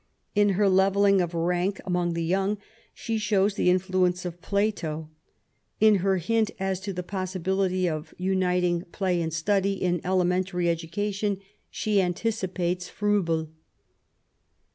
In her levelling of rank among the young, she shows the influence of Plato ; in her hint as to the possibility of uniting play and study in elementary education, she anticipates Froebel.